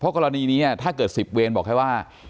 เพราะกรณีนี้ถ้าเกิดสิบเวรบอกให้ว่า